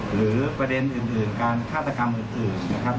หรือประเด็นอื่นการฆาตกรรมอื่นนะครับ